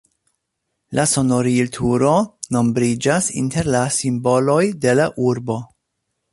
La sonorilturo nombriĝas inter la simboloj de la urbo.